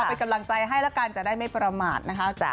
เป็นกำลังใจให้แล้วกันจะได้ไม่ประมาทนะคะ